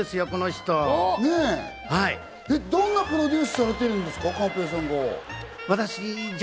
寛平さんはどんなプロデュースをしてるんですか？